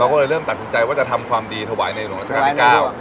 ก็เลยเริ่มตัดสินใจว่าจะทำความดีถวายในหลวงราชการที่เก้า